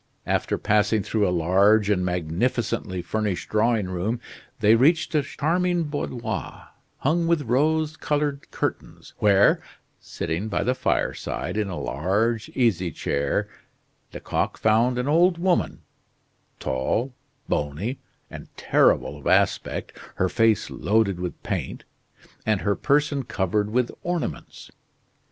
After passing through a large and magnificently furnished drawing room, they reached a charming boudoir, hung with rose colored curtains, where, sitting by the fireside, in a large easy chair, Lecoq found an old woman, tall, bony, and terrible of aspect, her face loaded with paint, and her person covered with ornaments.